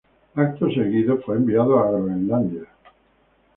Acto seguido fue enviado a Groenlandia.